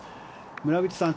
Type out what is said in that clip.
村口さん